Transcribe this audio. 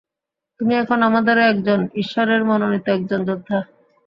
তুমি এখন আমাদেরই একজন, ঈশ্বরের মনোনীত একজন যোদ্ধা!